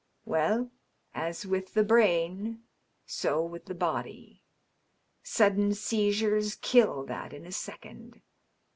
.. Well, as with the brain, so with the body. Sudden seizures kill that in a second.